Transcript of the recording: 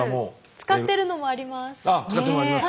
使ってるのもあります。